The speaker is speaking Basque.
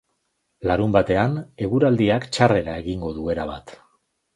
Larunbatean, eguraldiak txarrera egingo du erabat.